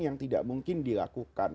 yang tidak mungkin dilakukan